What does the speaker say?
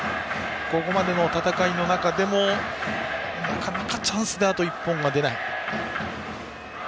ここまでの戦いの中でもなかなか、チャンスであと１本が出ない。